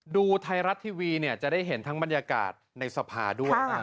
ดูไทยรัฐทีวีจะได้เห็นทั้งบรรยากาศในสภาด้วย